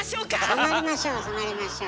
染まりましょう染まりましょう。